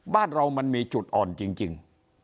บ้านเรามันมีจุดอ่อนจริง